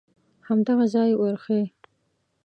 همدغه ځای ورښیې.